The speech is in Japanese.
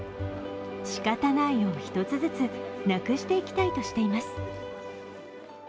「しかたない」を一つずつなくしていきたいとしています。